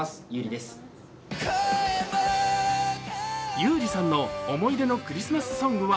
優里さんの思い出のクリスマスソングは？